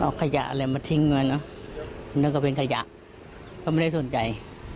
เอาขยะอะไรมาทิ้งมาน่ะมันก็เป็นขยะเพราะไม่ได้สนใจ